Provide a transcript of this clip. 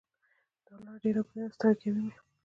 دا لار ډېره اوږده ده ستړی کوی مې